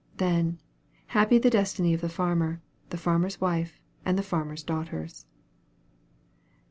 Then, happy the destiny of the farmer, the farmer's wife, and the farmer's daughters.